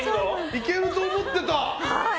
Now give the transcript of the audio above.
いけると思ってた。